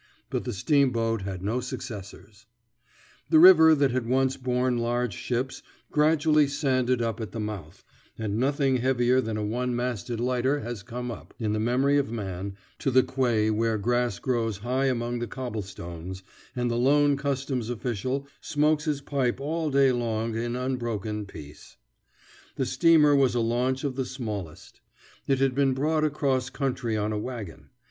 But the steamboat had no successors. [Illustration: The gossip benches are filled] The river that had once borne large ships gradually sanded up at the mouth, and nothing heavier than a one masted lighter has come up, in the memory of man, to the quay where grass grows high among the cobblestones and the lone customs official smokes his pipe all day long in unbroken peace. The steamer was a launch of the smallest. It had been brought across country on a wagon.